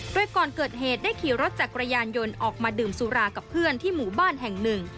โดยก่อนเกิดเหตุได้ขี่รถจักรยานยนต์ออกมาดื่มสุรากับเพื่อนที่หมู่บ้านแห่งหนึ่ง